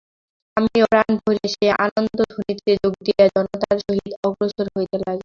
আমিও প্রাণ ভরিয়া সেই আনন্দধ্বনিতে যোগ দিয়া জনতার সহিত অগ্রসর হইতে লাগিলাম।